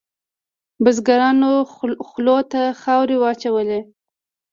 بزګرانو خولو ته خاورې واچولې.